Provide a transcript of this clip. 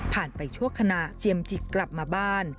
ไปชั่วขณะเจียมจิกกลับมาบ้าน